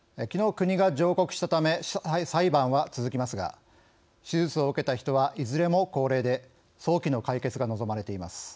きのう、国が上告したため裁判は続きますが手術を受けた人はいずれも高齢で早期の解決が望まれています。